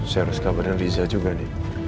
saya harus kabar dengan liya juga nih